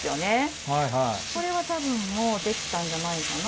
これはたぶんもうできたんじゃないかな。